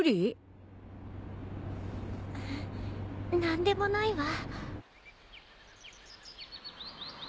何でもないわ。